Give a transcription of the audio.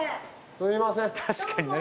すいません